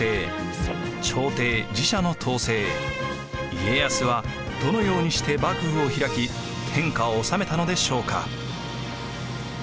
家康はどのようにして幕府を開き天下を治めたのでしょうか？